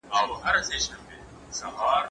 زه کولای سم لاس پرېولم؟